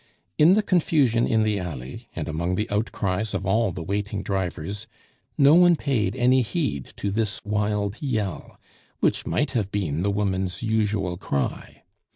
In the confusion in the alley, and among the outcries of all the waiting drivers, no one paid any heed to this wild yell, which might have been the woman's usual cry.